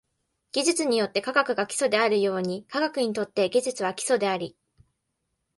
技術にとって科学が基礎であるように、科学にとって技術は基礎であり、